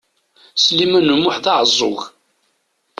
Sliman U Muḥ d aɛeẓẓug.